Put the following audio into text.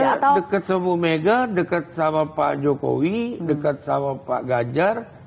saya dekat sama bu mega dekat sama pak jokowi dekat sama pak ganjar